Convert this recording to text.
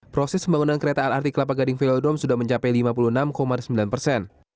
proses pembangunan kereta lrt kelapa gading velodrome sudah mencapai lima puluh enam sembilan persen